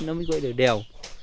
nó mới quay được đều